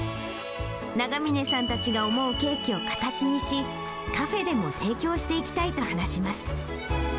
永峰さんたちが思うケーキを形にし、カフェでも提供していきたいと話します。